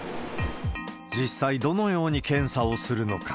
実際、どのような検査をするのか。